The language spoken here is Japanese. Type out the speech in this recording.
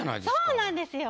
そうなんですよ。